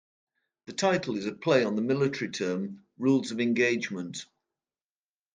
The title is a play on the military term, "Rules of engagement".